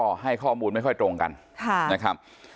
ก็ให้ข้อมูลไม่ค่อยตรงกันนะครับ